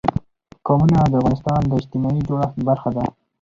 قومونه د افغانستان د اجتماعي جوړښت برخه ده.